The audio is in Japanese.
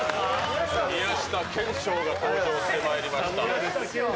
宮下兼史鷹が登場してまいりました。